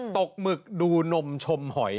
หมึกดูนมชมหอย